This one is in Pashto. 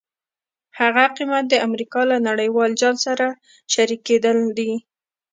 هغه قیمت د امریکا له نړیوال جال سره شریکېدل دي.